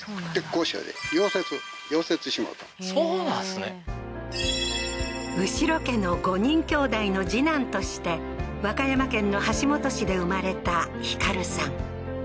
後呂家の５人兄弟の次男として和歌山県の橋本市で生まれた光さん